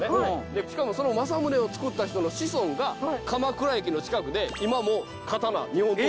でしかもその正宗を作った人の子孫が鎌倉駅の近くで今も刀日本刀作ってるんです。